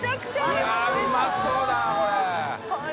い筺うまそうだなこれ。